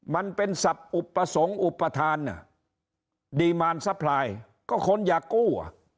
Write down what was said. มันเป็นศัพท์อุปสรรคอุปทานดีมารซัพพลายก็คนอยากกู้อ่ะ